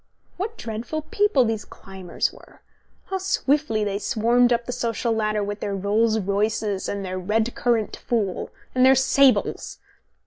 What dreadful people these climbers were! How swiftly they swarmed up the social ladder with their Rolls Royces and their red currant fool, and their sables!